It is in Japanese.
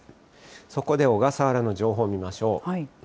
そこで小笠原の情報見ましょう。